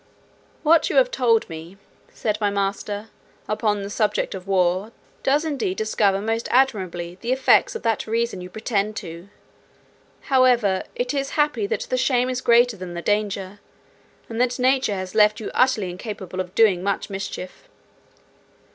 "What you have told me," said my master, "upon the subject of war, does indeed discover most admirably the effects of that reason you pretend to: however, it is happy that the shame is greater than the danger; and that nature has left you utterly incapable of doing much mischief.